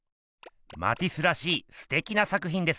マティスらしいすてきな作ひんですね。